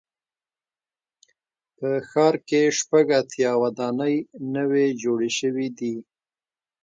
په ښار کې شپږ اتیا ودانۍ نوي جوړې شوې دي.